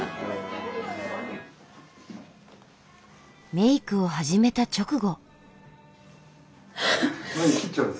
メイクを始めた直後。